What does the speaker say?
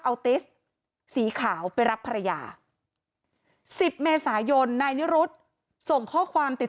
เอาติสสีขาวไปรับภรรยา๑๐เมษายนนายนิรุธส่งข้อความติด